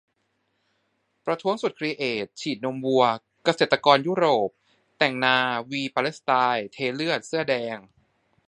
ประท้วงสุด 'ครีเอท' : ฉีดนมวัว-เกษตรกรยุโรป แต่งนา'วี-ปาเลสไตน์ เทเลือด-เสื้อแดง